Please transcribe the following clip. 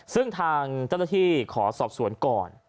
ซึ่งทางต้๒๘ขอสอบสวนก่อน